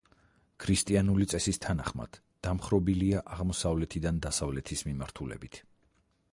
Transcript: ქრისტიანული წესის თანახმად, დამხრობილია აღმოსავლეთიდან დასავლეთის მიმართულებით.